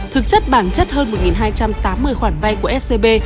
thực chất bản chất hơn một hai trăm tám mươi khoản vay của scb